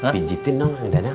pijitin dong kan dadang